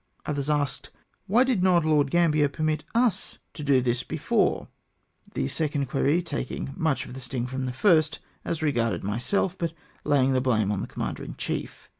Others asked, " Why did not Lord Gambler permit us to do this before 1" the second query taking much of the sting from the first, as regarded myself, by laying the blame on the commander in chief.